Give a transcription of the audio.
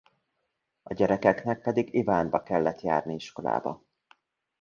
A gyerekeknek pedig Ivánba kellett járni iskolába.